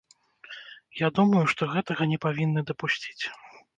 Я думаю, што гэтага не павінны дапусціць.